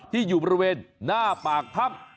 ที่อยู่บริเวณหน้าปากถ้ำ